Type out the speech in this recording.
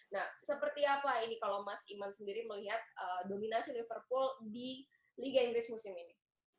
nah seperti apa ini kalau mas iman sendiri melihat dominasi liverpool di liga inggris musim ini